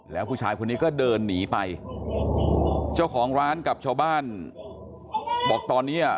แล้วผู้ชายคนนี้ก็เดินหนีไปเจ้าของร้านกับชาวบ้านบอกตอนเนี้ย